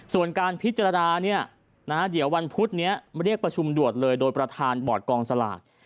ส่วนการพิจารณาเนี่ยเดี๋ยววันพุธนี้เรียกประชุมด่วนเลยโดยประธานบอร์ดกองสลาก